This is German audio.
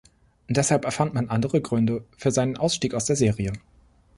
Deshalb erfand man andere Gründe für seinen Ausstieg aus der Serie.